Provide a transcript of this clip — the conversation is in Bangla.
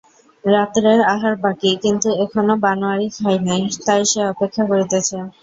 রাত্রের আহার বাকি, কিন্তু এখনো বনোয়ারি খায় নাই, তাই সে অপেক্ষা করিতেছে।